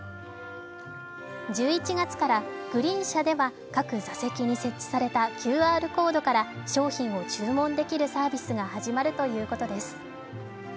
１１月からグリーン車では各座席に設置されたＱＲコードから商品を注文できるサービスが始まるということです。